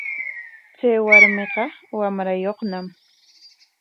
Chay warmiqa wamrayuqñam.